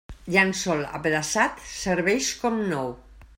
Llençol apedaçat serveix com nou.